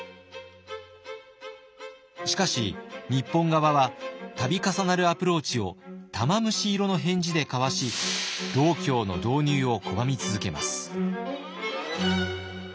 しかし日本側は度重なるアプローチを玉虫色の返事でかわし道教の導入を拒み続けます。